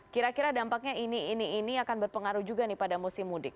kira kira dampaknya ini ini ini akan berpengaruh juga pada musim mudik